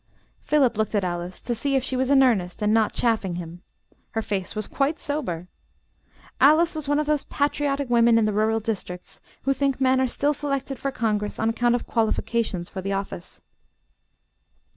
Philip looked at Alice to see if she was in earnest and not chaffing him. Her face was quite sober. Alice was one of those patriotic women in the rural districts, who think men are still selected for Congress on account of qualifications for the office.